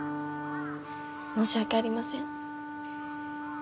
申し訳ありません。